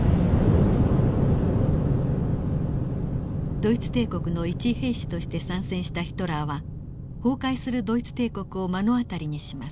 ドイツ帝国の一兵士として参戦したヒトラーは崩壊するドイツ帝国を目の当たりにします。